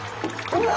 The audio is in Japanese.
うわ。